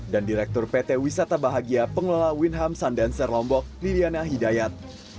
dan direktur pt wisata bahagia pengelola winham sundancer lombok liliana hidayat